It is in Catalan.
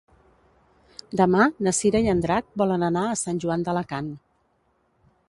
Demà na Cira i en Drac volen anar a Sant Joan d'Alacant.